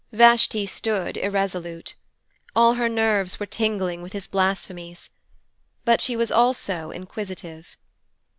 Vashti stood irresolute. All her nerves were tingling with his blasphemies. But she was also inquisitive.